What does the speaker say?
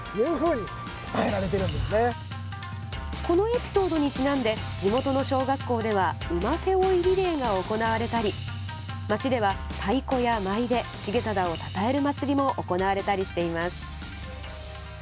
このエピソードにちなんで地元の小学校では馬背負いリレーが行われたり町では太鼓や舞で重忠をたたえる祭りも行われたりしています。